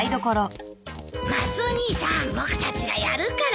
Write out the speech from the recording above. マスオ兄さん僕たちがやるから。